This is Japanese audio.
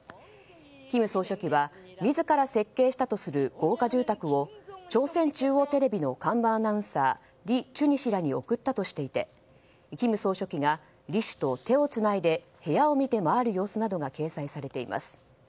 金総書記は自ら設計したとする豪華住宅を朝鮮中央テレビの看板アナウンサーリ・チュニ氏らに贈ったとしていて金総書記がリ氏と手をつないで部屋を見て回る様子などが掲載されています。